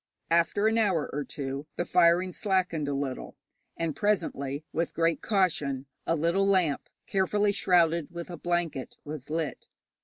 After an hour or two the firing slackened a little, and presently, with great caution, a little lamp, carefully shrouded with a blanket, was lit.